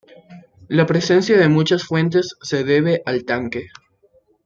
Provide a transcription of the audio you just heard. La presencia de muchas fuentes se debe al tanque.